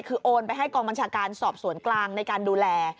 คือโอนไปให้กองบัญชาการสอบสวนกลางในการดูแล